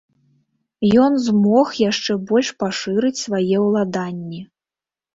Ён змог яшчэ больш пашырыць свае ўладанні.